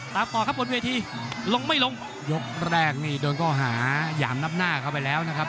ต่อครับบนเวทีลงไม่ลงยกแรกนี่โดนข้อหายามนับหน้าเข้าไปแล้วนะครับ